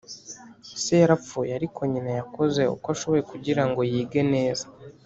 se yarapfuye, ariko nyina yakoze uko ashoboye kugira ngo yige neza